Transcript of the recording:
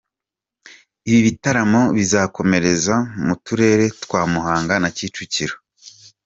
Ibi bitaramo bizakomereza mu turere twa Muhanga na Kicukiro.